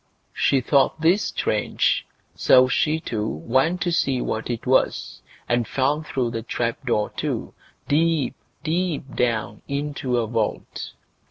She thought this strange, so she too went to see what it was, and fell through the trap door too, deep, deep down, into a vault.